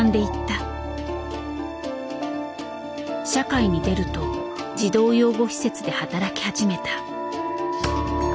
社会に出ると児童養護施設で働き始めた。